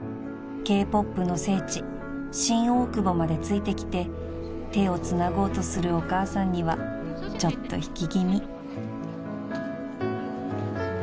［Ｋ−ＰＯＰの聖地新大久保までついてきて手をつなごうとするお母さんにはちょっと引き気味］